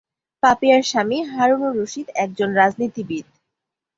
পাপিয়া’র স্বামী হারুনুর রশীদ একজন রাজনীতিবিদ।